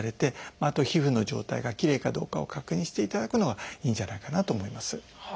あと皮膚の状態がきれいかどうかを確認していただくのがいいんじゃないかなと思います。